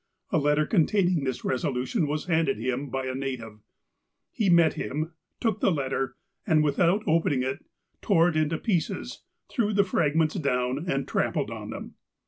A letter containing this resolution was handed him by a native. He met him, took the letter, and, without open ing it, tore it into pieces, threw the fragments down, and trampled on them.